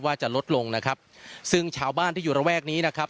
ว่าจะลดลงนะครับซึ่งชาวบ้านที่อยู่ระแวกนี้นะครับ